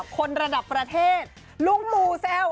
คนระดับประเทศลุงปู่แซว